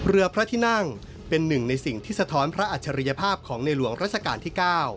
เรือพระที่นั่งเป็นหนึ่งในสิ่งที่สะท้อนพระอัจฉริยภาพของในหลวงราชการที่๙